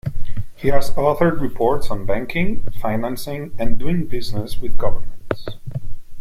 He has authored reports on banking, financing and doing business with governments.